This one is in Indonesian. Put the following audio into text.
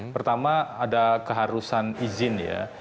pertama ada keharusan izin ya